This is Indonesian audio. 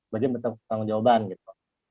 bagian bentuk tanggung jawaban gitu